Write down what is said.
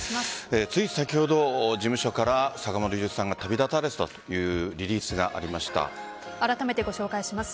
つい先ほど、事務所から坂本龍一さんが旅立たれたというリリースがあらためてご紹介します。